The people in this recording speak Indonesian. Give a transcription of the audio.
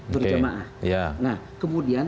berjemaah nah kemudian